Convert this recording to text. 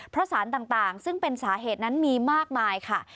เพราะสารต่างซึ่งเป็นสาเหตุนั้นมีมากมายค่ะ